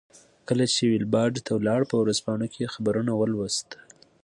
کله چې ویلباډ ته ولاړ په ورځپاڼو کې یې خبرونه ولوستل.